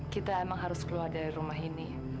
kita emang harus keluar dari rumah ini